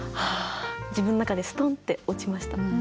自分の中でストンって落ちました。